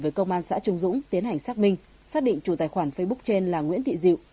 với công an xã trung dũng tiến hành xác minh xác định chủ tài khoản facebook trên là nguyễn thị diệu